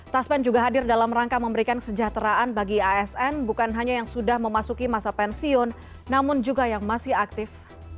taspen juga hadir dalam rangka memberikan kesejahteraan bagi asn bukan hanya yang sudah memasuki masa pensiun namun juga yang masih aktif